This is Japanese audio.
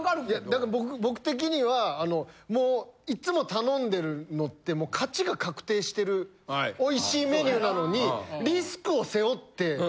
だから僕的にはあのもういつも頼んでるのってもう勝ちが確定してる美味しいメニューなのに。